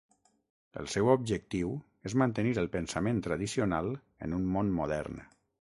El seu objectiu és mantenir el pensament tradicional en un món modern.